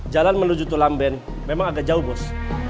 jalan menuju tulamben memang agak jauh bus